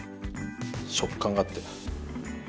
食感があって。